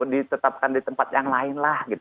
ditetapkan di tempat yang lain lah